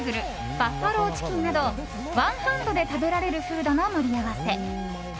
バッファローチキンなどワンハンドで食べられるフードの盛り合わせ。